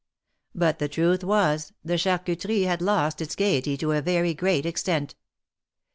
But the truth was, the Charcuterie had lost its gayety to a very great extent.